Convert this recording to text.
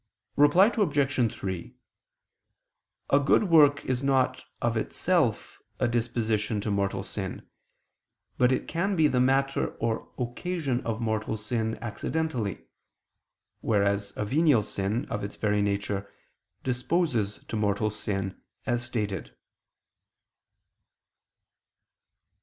Reply Obj. 3: A good work is not, of itself, a disposition to mortal sin; but it can be the matter or occasion of mortal sin accidentally; whereas a venial sin, of its very nature, disposes to mortal sin, as stated.